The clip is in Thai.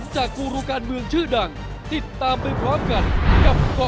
ชัดมาก